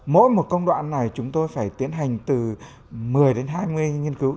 mỗi một công đoạn này chúng tôi phải tiến hành từ một mươi đến hai mươi nghiên cứu